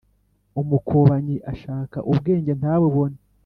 umukobanyi ashaka ubwenge ntabubone,